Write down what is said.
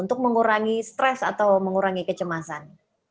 untuk mengurangi stres atau mengurangi kecemasan